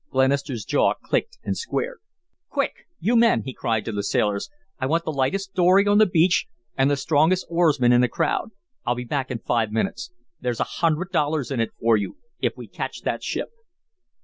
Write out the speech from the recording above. Glenister's jaw clicked and squared. "Quick! You men!" he cried to the sailors. "I want the lightest dory on the beach and the strongest oarsmen in the crowd. I'll be back in five minutes. There's a hundred dollars in it for you if we catch that ship."